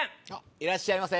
いらっしゃいませ。